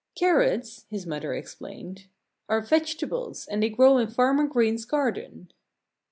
"Carrots," his mother explained, "are vegetables and they grow in Farmer Green's garden."